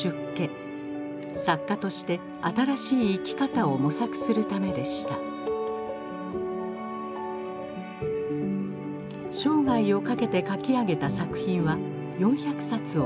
作家として新しい生き方を模索するためでした生涯をかけて書き上げた作品は４００冊を超えます